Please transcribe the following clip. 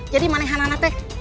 jadi manis anak anak teh